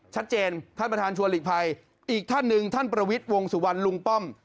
ชัดเจนท่านประธานชวนหลีกภัยอีกท่านหนึ่งท่านประวิทย์วงสุวรรณลุงป้อม